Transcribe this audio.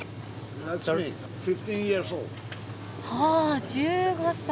はあ１５歳。